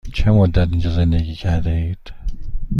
چه مدت اینجا زندگی کرده اید؟